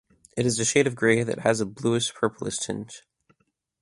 It is a shade of grey that has a bluish purplish tinge.